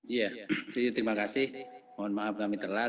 iya terima kasih mohon maaf kami telat